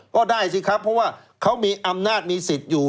ก็ได้สิครับเพราะว่าเขามีอำนาจมีสิทธิ์อยู่